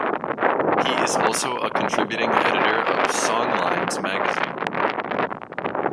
He is also a contributing editor of "Songlines" magazine.